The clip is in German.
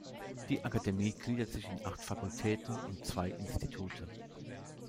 Die Akademie gliedert sich in acht Fakultäten und zwei Institute.